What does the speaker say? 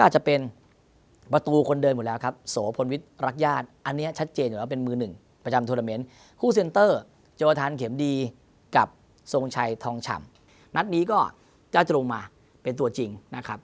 โจทณ์เข็มดีกับส่งชัยทองฉ่ำนัดนี้จะลงมาเป็นตัวจริงนะครับ